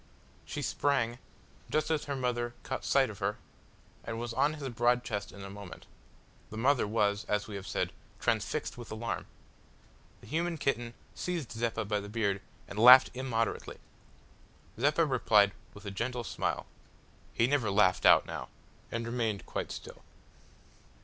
She sprang, just as her mother caught sight of her, and was on his broad chest in a moment. The mother was, as we have said, transfixed with alarm. The human kitten seized Zeppa by the beard and laughed immoderately. Zeppa replied with a gentle smile he never laughed out now and remained quite still.